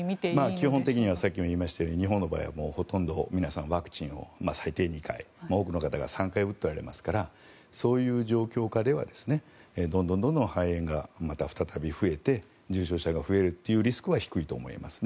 基本的にはさっきも言いましたように日本の場合はもうほとんど皆さんワクチンを最低２回多くの方が３回打っておられますからそういう状況下ではどんどん肺炎がまた再び増えて重症者が増えるというリスクは低いと思います。